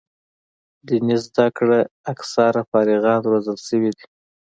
دیني زده کړو اکثره فارغان روزل شوي دي.